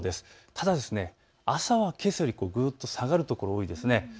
ただ朝はけさよりぐっと下がるところが多いです。